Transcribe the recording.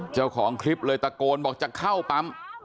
เจ้าของคลิปเลยตะโกนบอกจะเข้าปั๊ม